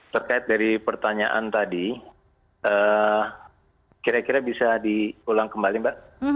terkait dari pertanyaan tadi kira kira bisa diulang kembali mbak